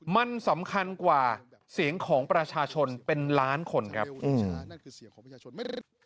มันสำคัญกว่าเสียงของประชาชนเป็นล้านคนครับ